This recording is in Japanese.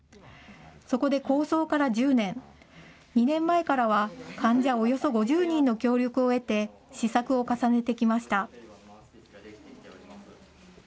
そこで構想から１０年、２年前からは、患者およそ５０人の協力を得て、試作を重ねてきました。